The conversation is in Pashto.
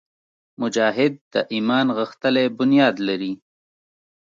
مجاهد د ایمان غښتلی بنیاد لري.